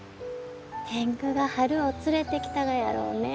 天狗が春を連れてきたがやろうね。